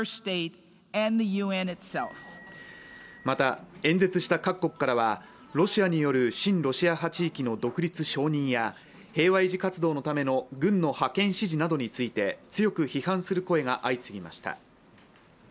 また、演説した各国からはロシアによる親ロシア派地域の独立承認や平和維持活動のための軍の派遣指示などについて強く批判する声が相次ぎました。